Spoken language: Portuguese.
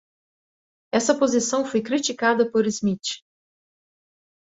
Essa posição foi criticada por Smith.